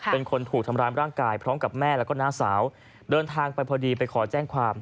เป็นคนถูกทำร้ายร่างกายพร้อมกับแม่แล้วก็น้าสาวเดินทางไปพอดีไปขอแจ้งความ